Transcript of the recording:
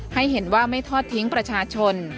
ให้เห็นว่าไม่ทอดทิ้งประชาชน